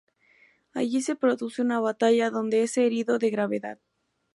Allí se produce una batalla, donde es herido de gravedad.